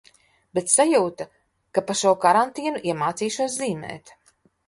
Bet sajūta, ka pa šo karantīnu iemācīšos zīmēt.